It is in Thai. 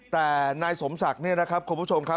แต่นายสมศักดิ์เนี่ยนะครับคุณผู้ชมครับ